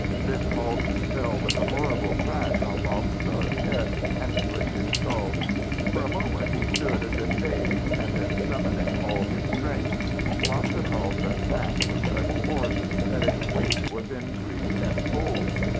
This cauldron fell with a horrible crash on Balthasar's head and split his skull. For a moment he stood as if dazed, and then summoning all his strength he flung the cauldron back with such force that its weight was increased tenfold.